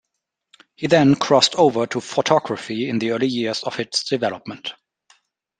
He then crossed over to photography in the early years of its development.